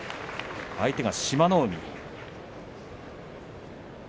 相手が志摩ノ海。